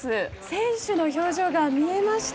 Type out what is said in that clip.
選手の表情が見えました。